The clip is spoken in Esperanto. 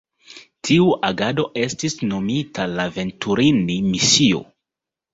Tiu agado estis nomita la Venturini-misio.